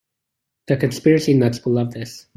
The conspiracy nuts will love this.